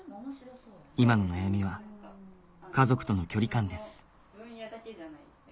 今の悩みは家族との距離感です